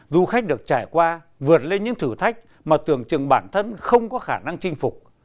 du khách được trải qua vượt lên những thử thách mà tưởng chừng bản thân không có khả năng chinh phục